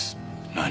何？